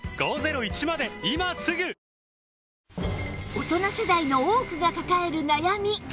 大人世代の多くが抱える悩み